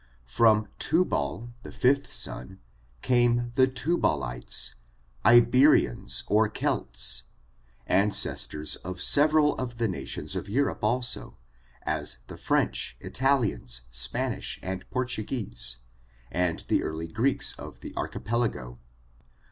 From Tubal, the fifth son, came the Tubalites, Iberians or Celts, ancestors of several of the nations of Europe also, as the French, Italians, Spanish and Portugese, and the early Greeks of the Archipelago.